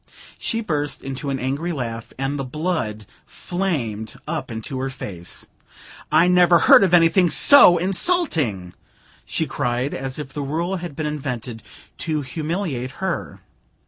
She burst into an angry laugh, and the blood flamed up into her face. "I never heard of anything so insulting!" she cried, as if the rule had been invented to humiliate her.